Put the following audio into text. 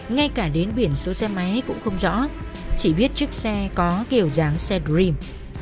ngay cả đến biển số xe máy cũng không rõ chỉ biết chiếc xe có kiểu dáng xe dream